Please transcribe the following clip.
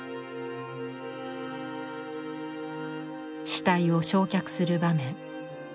死体を焼却する場面。